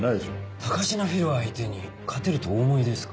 高階フィルを相手に勝てるとお思いですか？